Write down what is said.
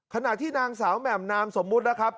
ขณะที่นางสาวแหม่มนามสมมุตินะครับ